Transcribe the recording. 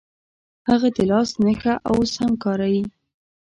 هغه د لاس نښه اوس هم ښکاري.